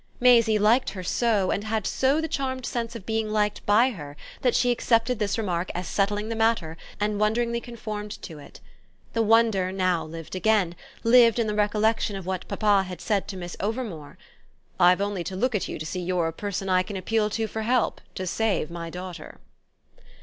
Maisie liked her so, and had so the charmed sense of being liked by her, that she accepted this remark as settling the matter and wonderingly conformed to it. The wonder now lived again, lived in the recollection of what papa had said to Miss Overmore: "I've only to look at you to see you're a person I can appeal to for help to save my daughter."